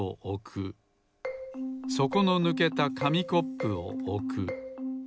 そこのぬけたかみコップをおく。